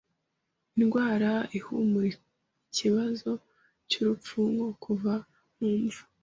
Indwara ihumura Ikibazo cyurupfu nko kuva mu mva